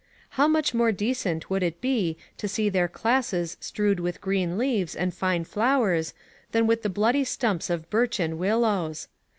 How much more decent would it be to see their classes strewed with green leaves and fine flowers, than with the bloody stumps of birch and willows?